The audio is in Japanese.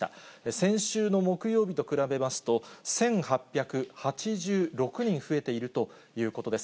先週の木曜日と比べますと、１８８６人増えているということです。